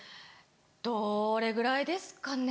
どれぐらいですかね？